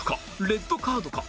レッドカードか？